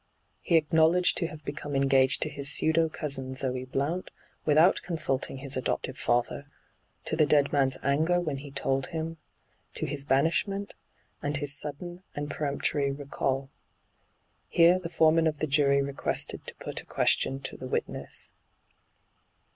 He acknowledged to have become engaged to his pseudo cousin Zoe Blount without consult ing his adoptive father ; to the dead man's anger when he told him ; to his banishment, and his sudden and peremptory recall. Here the foreman of the jury requested to put a question to the witness.